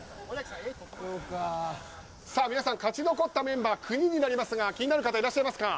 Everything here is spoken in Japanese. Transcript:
皆さん、勝ち残ったメンバー９人になりますが気になる方いらっしゃいますか？